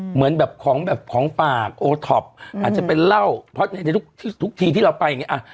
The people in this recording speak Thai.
เหมือนแบบของปากโอทอปอาจจะเป็นเหล้าเพราะทุกทีที่เราไปอย่างนี้